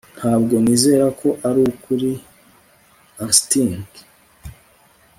Ntabwo nizera ko arukuri astyng